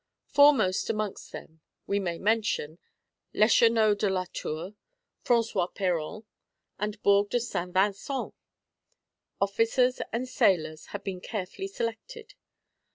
Foremost amongst them we may mention, Leschenaut de Latour, Francois Péron, and Borg de Saint Vincent. Officers and sailors had been carefully selected.